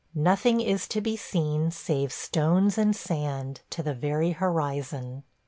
Nothing is to be seen save stones and sand to the very horizon.